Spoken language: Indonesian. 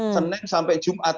senin sampai jumat